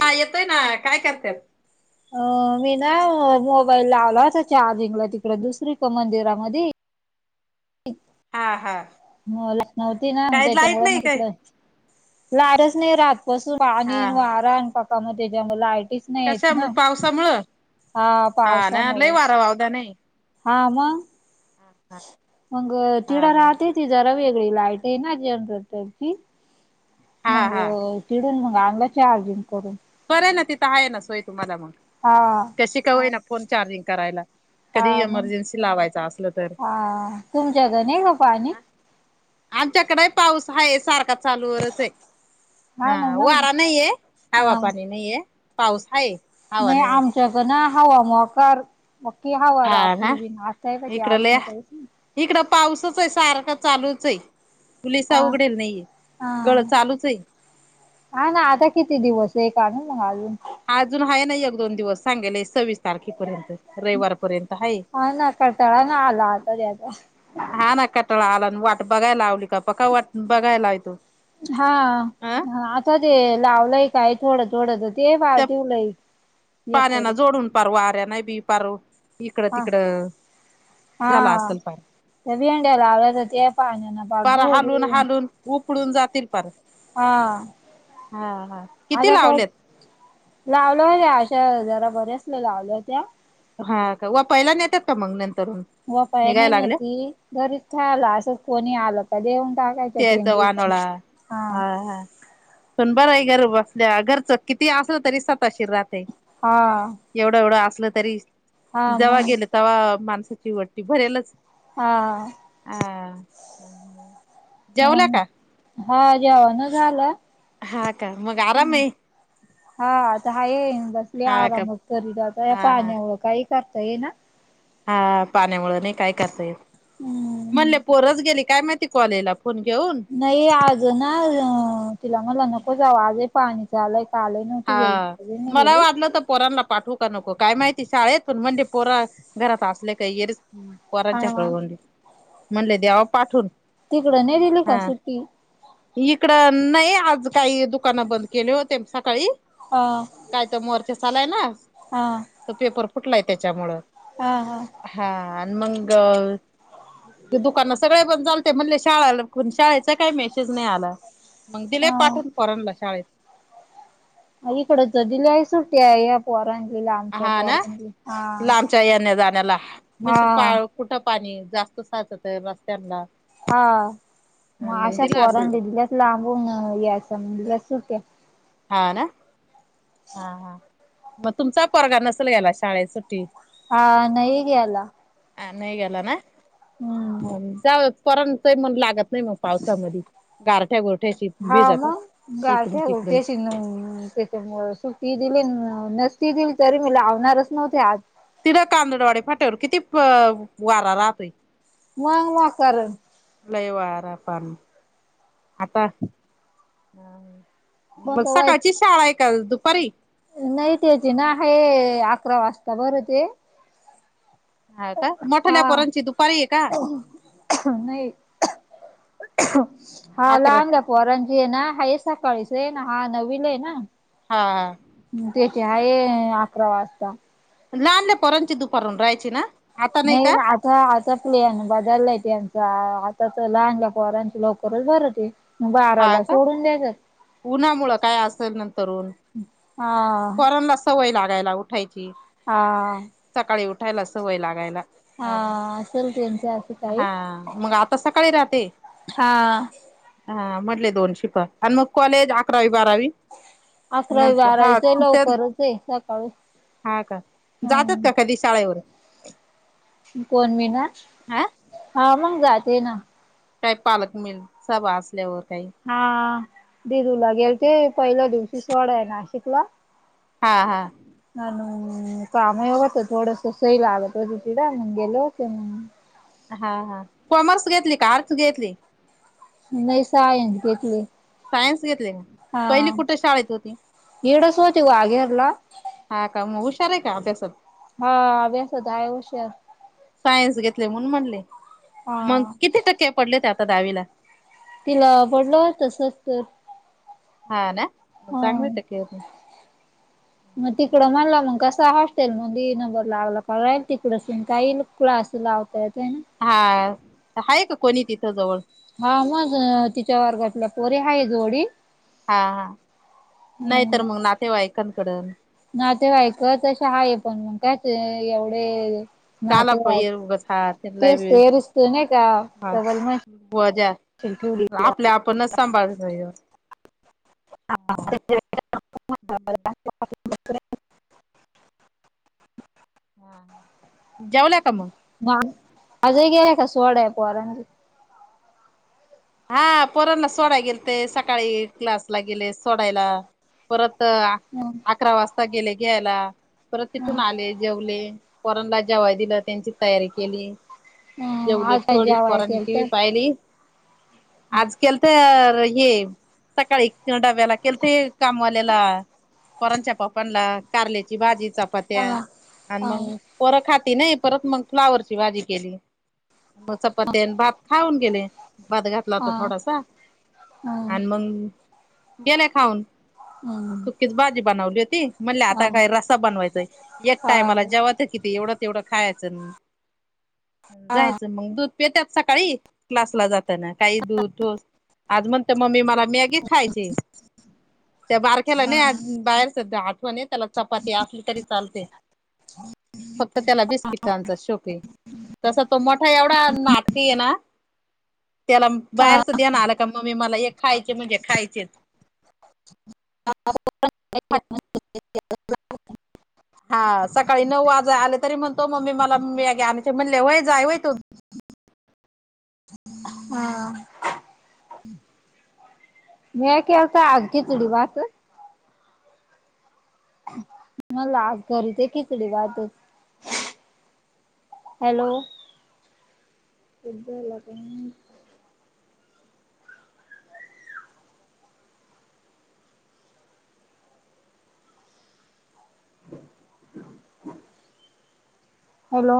हा येतोय ना काय करतात? अ मी ना मोबाईल लावला होता चार्जिंगला तिकडे दुसरी कड मंदिरामध्यी. एक हां हां [unintelligible] नव्हती ना त्याच्यामुळ नाही काय म्हटलं लारच नाही राहात कस हा वाणीन हा वारा पकामध्ये त्याच्यामुळे लायटीच नाहीेत कशा ना पावसामुळं हा पावसामुळ. [unintelligible] का नाही हां हा मंग हा [unintelligible] ती जरा वेगळी लाईट आहे ना [unintelligible] हा हा मग चिडून मग आलं चार्जिंग करून. बरय ना तिथं आहे ना सोय तुम्हाला मग. हां कशी का होईना फोन चार्जिंग करायला. हा कधी मग इमर्जन्सी लावायचा असलं तर हा तुमच्याकडे नाही का पाणी हं आमच्याकडे पाऊस आहे सारखा चालूवर आहे. हा ना मग वारा नाहीये हवा हा पाणी नाहीये पाऊस आहे. हवा नाही नाहीये आमच्याक ना हवा मोकार. बघकी हवा हा रात्री ना बी आत्ता पण इकडं आजून लय [unintelligible] कहीस इकडं पाऊसच आहे सारखा चालूच आहे. [unintelligible] हा उघडेल नाहीये गळ हा चालूच आहे. हा ना आता किती दिवस आहे एक अजून अजून आहे ना एक दोन दिवस सांगेले सव्वीस तारखेपर्यंत रविवार पर्यंत आहे. हा ना कंटाळा ना आला आता त्याचा हा ना कटळा आला वाट बघायला लावली का पक्का वाट बघायला लावतो हा अं. ते लावलंय काय थोडं थोडं तर ते फार त्या ठेवलंय हे पाण्याना करून. जोडून पार वाऱ्या न बी फार इकड हा तिकडं झाला हा असेल फार. भेंड्या लावल्या तर ते पाण्यान पार पर हालून झोडून हालून उपळून जातील पार. हा हा हां किती लावलेत? लावल्या होत्या अशा जरा बऱ्याचश्या लावल्या होत्या. हा का व पहिला नेतात का मग नंतर हुन [unintelligible] नाही [unintelligible] घरीच खायला असंच कोणी आलं. देऊन टाकायच्या द्यायचा वानोळा [unintelligible] हां हा हा पण बरं आहे घर बसल्या घरचं किती असलं तरी सताशीर राहतय. हां एवढं एवढं असलं तरी जेव्हा मग गेलं तेव्हा माणसाची वट्टी भरेलच. हां ह जेवला मग का? हा जेवण झालं. हा का मग आराम आहे. हा आता आहे. बसले हा का आरामच करते. या हा हा पाण्यामूळ काही करता येईना. हा पाण्यामुळे नाही काय करता येत. हम्म, म्हणले पोरच गेली. काय माहिती कॉलेजला फोन घेऊन. नाही. आज ना तिला मला नको जावं आज पाणी आलंय. का आलंय नव्हती गेली नव्हती गेली. म्हणलं होत पोराना पाठवू. करू नको. काय माहिती शाळेत म्हणले म्हणजे पोरा घरात असले का येळ पोरांच्या हा जवळ म्हणले देवा पाठवून. तिकडं नाही दिली का हा सुट्टी? इकडं नाही आज काही दुकानं बंद केली होते. मी सकाळी हा. काय तर मोर्चा चालू आहे ना. हा. पेपर फुटलाय त्याच्यामुळं हा हा. हा आणि मग दुकान सगळे बंद झालती. ते म्हणले शाळाला शाळेचा काही मेसेज नाही आला. मग दिले हा पाठून पोरांना शाळेत. इकडं तर दिली आहे. सुट्टी आहे. पोरांची आमच्या हा ना पोरांची आज लांबच्या येण्या जाण्याला हा म्हणशील पा हा. कुठं पाणी जास्त साचत आहे. रस्त्यांना हा मग अशा दिला असेल पोरंण पण दि दिल्यात लांबून या असं मग घ्या सुट्या हा ना. हा हा मग तुमचा पोरगा नसेल गेला शाळेेत सुट्टी हा नाही गेला. हा नाही गेला ना. हम्म जाऊ पोरांचं ही मन लागत नाही. नाही. मग पावसामध्ये गारठ्या गोर हा मग गारट्या तिकडून गोठ्याशी न सुटी दिली नसती दिली तरी मी लावणारच नव्हते. आज, दिलं कांदडवाडी फाट्यावर किती वारा राहतय. मग म कार लय वार पण, आता ह. मग बसवाय सकाळची शाळा आहे का गं दुपारी? नाही त्याची ना आहे. अकरा वाजता. बरं ते हा का. हा मोठल्या पोरांची दुपारी आहे का? नाही हा अकरा लहान ग. पोरांची आहे ना. आहे सकाळीच आहे. हा नववीला आहे ना. हा हा. त्याची आहे अकरा वाजता. लहानल्या पोरांची दुपारून राहायची ना? आता नाही का ना. आ आ आता प्लेन बदाललाय त्याचा आता तर लहान ल्या पोरांची लवकरच भरती. हा बाराला का सोडून द्यायचं. उन्हामुळं काय असल नंतर ऊन हा. पोरांनाच सवय लागायला उठायची हा सकाळी उठायला सवय लागायला हा असेल त्यांच असं हा काही मग आप त सकाळी राहते. हा हा मधल्या दोन शिपा आणि मग कॉलेज अकरावी बारावी अकरावी नंतर हा बारावीच ही त्या लवकरचये सकाळी हा का जात्यात का हम्म कधी शाळेवर कोण मी ना हा हा मंग जाते ना काय पालक मिल सभा असल्यावर काही हा दिदुला गेलते पहिल्या दिवशी सोडाय नाशिकला हा हा आणि मंग काम ही होत थोडस सही लागत होती तिड मंग गेले होते मंग हा हा कॉमर्स घेतली का आर्टस घेतले. नाय सायस घेतले. सायन्स घेतले का हा पहिली कुठे शाळेत होती येडस होते वाघेरला हा का म हुशार ये का अभ्यासात हा अभ्यासात आहे हुशार सायन्स घेतलय म्हणून म्हणले मग हा किती टक्के पडले होते आता दहावीला तिला पडलं होतं सत्तर हा ना म हा चांगलं टक्के होत म तिकड म्हणला मग कसा हॉस्टेल मंधी नंबर लागला प राहीन तिकडच काही क्लास लाव कळतंय न हा हाये का कोणी तिथं जवळ हा मग तिच्या वर्गातल्या पोरी हाय जोडी हा हा नाय तर म नातेवाईकांकडनं नातेवाईक तशे हाये पण मंग कायच एवढे काआला पण ये नातेवाईक हात येणं तेच लावील ते रिस्क नाही का हा डबल मशीन बोज्या ठेवली ग आपल्या आपणच सांभाळचंय [unintelligible] हा जेवल्या का मंग ना अजुक येण्या का सोडाय पोरां हा पोरांना सोडाय गेलते सकाळी क्लासला गेले सोडायला. परत अ [unintelligible] अकरा वाजता गेले घ्यायला परत तिथून आले जेवले. पोरांला जेवायला दिलं त्यांची तयारी केली. आज जेवले काय थोडी जेवाय पोरानी केल टी व्ही तर पाहिली आज केलत हे सकाळी ते डाब्याला केलते कामवाल्याला पोरांच्या पपांला कारल्याची भाजी हा चपात्या आणि हा मंग पर खाती नाही परत मग फ्लावरची भाजी केली चपात्या भात हाऊन गेले भद घातला होता हा हा थोडासा हा आणि मग गेल्या खाऊन हम् जी बनवली होती म्हण आता काय रसा बनवायचाय एक हा टायमला जेव्हा किती एवढा तेवढं खायचं जायचं मग दूध येतात सकाळी क्लासला जातना काही दूर ठोस आज म्हणते मम्मी मला मॅगीच खायची त्या बारख्याला नाही बाहेर सध्या आठवा नाही त्याला चपाती असली तरी चालते. फक्त त्याला बिस्किटांचा शोक आहे तसा तो मोठा एवढा नाटक आहे ना. त्याला हा बाहेरचं देण आलं का मम्मी मला हे खायचे म्हणजे खायचेच. हा. हा सकाळी नऊ वाजे आले तरी म्हणतो मम्मी मला आण म्हणले होय जाय होय तु. हा. म के होता आग घीचडी वाात. मला घरी ते किचडी वाातच. हॅलो. हॅलो.